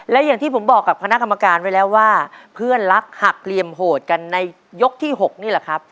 และอย่างที่ผมบอกกับคณะกรรมการไว้แล้วว่าเพื่อนรักหักเหลี่ยมโหดกันในยกที่๖นี่แหละครับ